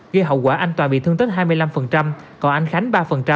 gây hậu quả anh tòa bị thương tích hai mươi năm còn anh khánh ba